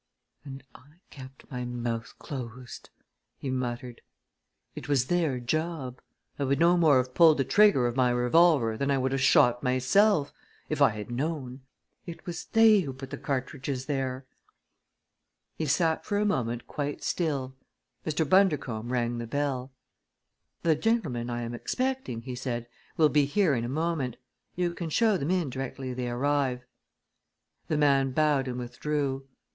"And I kept my mouth closed!" he muttered. "It was their job. I would no more have pulled the trigger of my revolver than I would have shot myself if I had known. It was they who put the cartridges there!" He sat for a moment quite still. Mr. Bundercombe rang the bell. "The gentlemen I am expecting," he said, "will be here in a moment. You can show them in directly they arrive." The man bowed and withdrew.